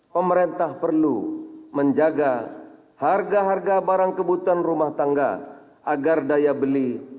pemerintah perlu menjaga harga harga barang kebutuhan rumah tangga agar daya beli